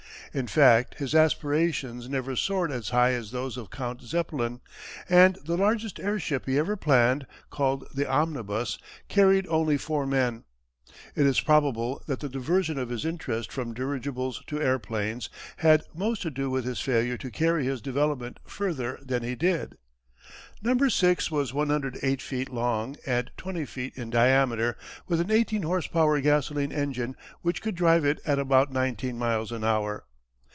In fact his aspirations never soared as high as those of Count Zeppelin, and the largest airship he ever planned called "the Omnibus" carried only four men. It is probable that the diversion of his interest from dirigibles to airplanes had most to do with his failure to carry his development further than he did. "No. VI." was 108 feet long, and 20 feet in diameter with an eighteen horse power gasoline engine which could drive it at about nineteen miles an hour.